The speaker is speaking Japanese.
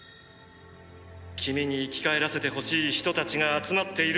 君に生き返らせてほしい人たちが集まっている！！